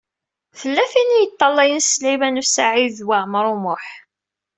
Tella tin i yeṭṭalayen Sliman U Saɛid Waɛmaṛ U Muḥ.